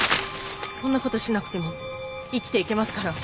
そんなことしなくても生きていけますから！